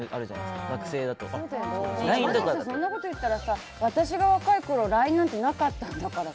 でもそんなこと言ったら私が若いころはＬＩＮＥなんかなかったんだから。